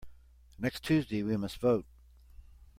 Next Tuesday we must vote.